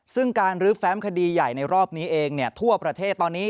ซึ่งการลื้อแฟ้มคดีใหญ่ในรอบนี้เองทั่วประเทศตอนนี้